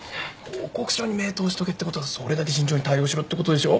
報告書に目通しとけってことはそれだけ慎重に対応しろってことでしょ？